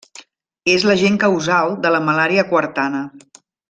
És l'agent causal de la malària quartana.